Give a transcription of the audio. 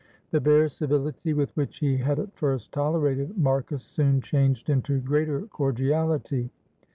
The bare civility with which he had at first tolerated Marcus soon changed into greater cordiality.